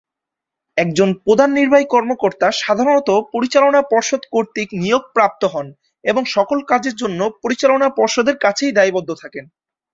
একজন প্রধান নির্বাহী কর্মকর্তা সাধারণত পরিচালনা পর্ষদ কর্তৃক নিয়োগপ্রাপ্ত হন এবং সকল কাজের জন্য পরিচালনা পর্ষদের কাছেই দায়বদ্ধ থাকেন।